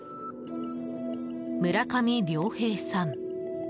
村上良平さん。